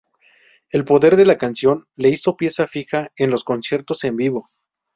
El poder de la canción, la hizo pieza fija en los conciertos en vivo.